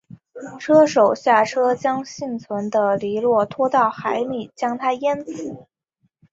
车手下车将幸存的尼诺拖到海里将他淹死。